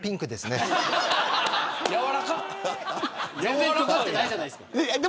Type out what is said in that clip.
全然尖ってないじゃないですか。